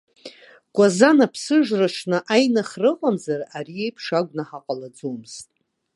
Кәазан аԥсыжра аҽны аиныхра ыҟамзар ари еиԥш агәнаҳа ҟалаӡомызт.